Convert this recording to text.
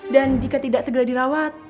dan jika tidak segera dirawat